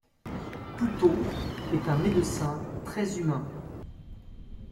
Pouteau est un médecin très humain.